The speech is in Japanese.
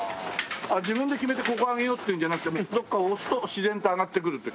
あっ自分で決めてここ上げようっていうんじゃなくてもうどこか押すと自然と上がってくるって？